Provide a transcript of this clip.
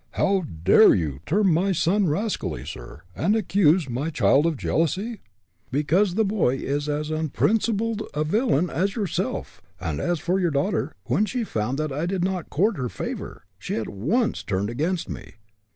"How dare you term my son rascally, sir, and accuse my child of jealousy?" "Because the boy is as unprincipled a villain as yourself, and as for your daughter, when she found that I did not court her favor, she at once turned against me.